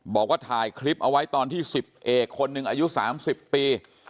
บอกว่าถ่ายคลิปเอาไว้ตอนที่๑๐เอกคนหนึ่งอายุ๓๐ปี